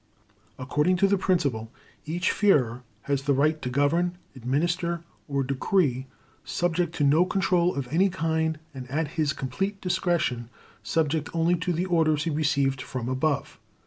According to the principle, each Führer has the right to govern, administer, or decree, subject to no control of any kind and at his complete discretion, subject only to the orders he received from above.